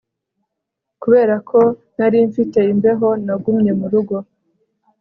Kubera ko nari mfite imbeho nagumye murugo